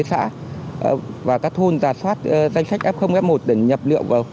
xã và các thôn giả soát danh sách f f một để nhập liệu vào